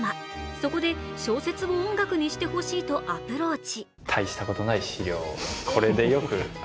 そこで小説を音楽にしてほしいとアプローチ。